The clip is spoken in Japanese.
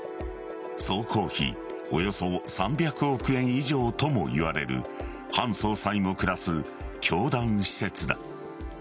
総工費およそ３００億円以上ともいわれるハン総裁も暮らす教団施設だ。